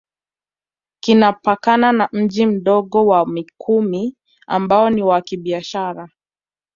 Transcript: Kinapakana na Mji Mdogo wa Mikumi ambao ni wa kibiashara